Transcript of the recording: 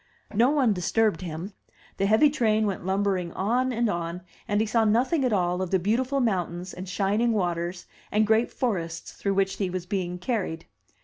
No one disturbed him; the heavy train went lum 298 THE TREASURE CHEST bering on and on, and he saw nothing at all of the beautiful mountains, and shining waters, and great forests through which he was being carried.